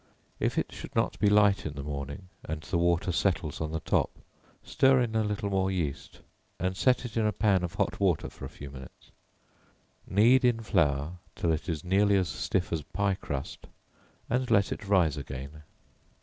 (If it should not be light in the morning, and the water settles on the top, stir in a little more yeast, and set it in a pan of hot water for a few minutes;) knead in flour till it is nearly as stiff as pie crust, and let it rise again.